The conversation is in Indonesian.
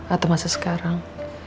atau masa sekarang